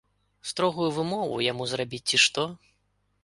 Строгую вымову яму зрабіць ці што?